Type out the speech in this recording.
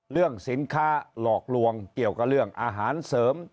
เรื่องสินค้าหลอกลวงเกี่ยวกับเรื่องอาหารเสริม